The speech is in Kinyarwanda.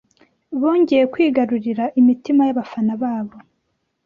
Bongeye kwigarurira imitima yabafana babo